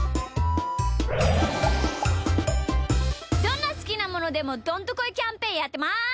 どんなすきなものでもどんとこいキャンペーンやってます。